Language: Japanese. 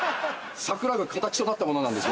桜が形となったものなんです。